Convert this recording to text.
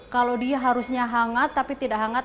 kalau dia harusnya hangat tapi tidak hangat